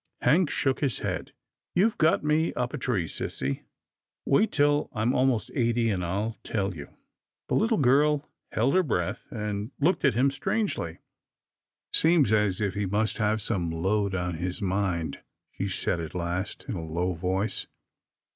Hank shook his head. " You've got me up a tree, sissy. Wait till I'm most eighty, and I'll tell you." The little girl held her breath, and looked at him strangely. " Seems as if he must have some load on his mind," she said at last, in a low voice.